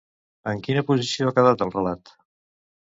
En quina posició ha quedat el relat?